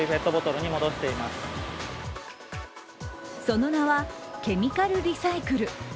その名はケミカルリサイクル。